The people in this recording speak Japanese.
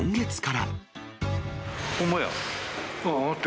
ほんまや。